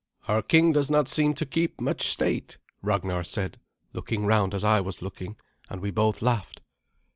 "Our king does not seem to keep much state," Ragnar said, looking round as I was looking, and we both laughed.